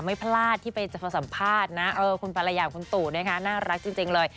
ไม่พลาดที่ไปสัมภาษณ์นะคุณภรรยาบคุณตุ๋มน่ารักจริงเลย